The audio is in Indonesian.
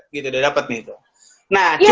gitu udah dapet nih itu